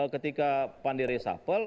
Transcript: ketika pan diresapel